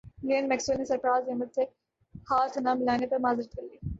Glenn Maxwell نے سرفراز احمد سے ہاتھ نہ ملانے پر معذرت کر لی